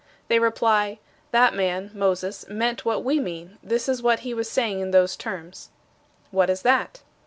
They reply, "That man [Moses] meant what we mean; this is what he was saying in those terms." "What is that?"